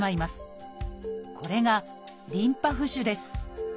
これが「リンパ浮腫」です。